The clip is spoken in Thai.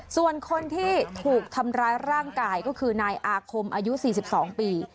ส่วนคนที่ถูกทำร้ายร่างกายก็คือนายอาคมอายุ๔๒ปี